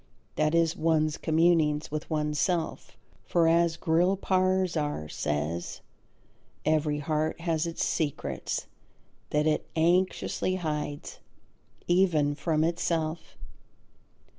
That is, one's communings with oneself. For, as Grillparzer says, every heart has its secrets that it anxiously hides even from itself.